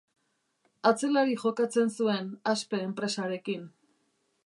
Atzelari jokatzen zuen, Aspe enpresarekin.